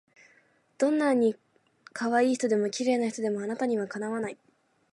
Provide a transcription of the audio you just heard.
どんない可愛い人でも綺麗な人でもあなたには敵わない